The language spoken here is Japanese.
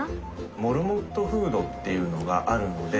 モルモットフードっていうのがあるので。